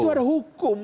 disitu ada hukum